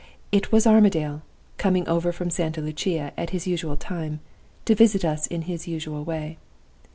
It was Armadale coming over from Santa Lucia at his usual time, to visit us in his usual way.